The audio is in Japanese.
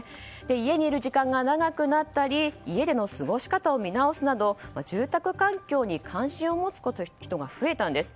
家にいる時間が長くなったり家での過ごし方を見直すなど住宅環境に関心を持つ人が増えたんです。